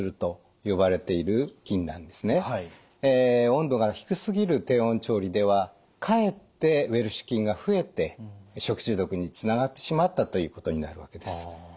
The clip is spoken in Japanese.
温度が低すぎる低温調理ではかえってウエルシュ菌が増えて食中毒につながってしまったということになるわけです。